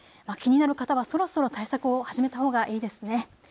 気になる方はそろそろ対策を始めたほうがいいですね。